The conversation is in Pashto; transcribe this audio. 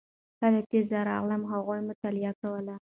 کله چې زه راغلم هغوی مطالعه کوله.